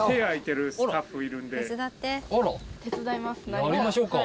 一応やりましょうか。